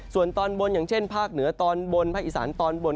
ส่วนตอนบนอย่างเช่นภาคเหนือตอนบนภาคอีสานตอนบน